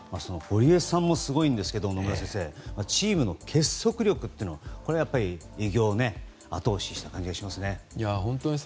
その堀江さんもすごいですが野村先生チームの結束力が偉業を後押しした感じがありますね。